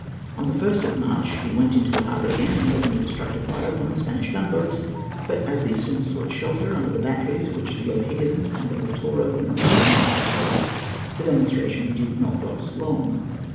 On the 1st of March he went into the harbour again and opened a destructive fire upon the Spanish gunboats, but as these soon sought shelter under the batteries, which the O'Higgins and the Lautaro were not strong enough to oppose, the demonstration did not last long.